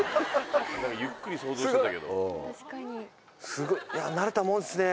すごい慣れたもんですね。